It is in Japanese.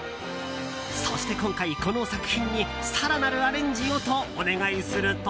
そして今回この作品に、更なるアレンジをとお願いすると。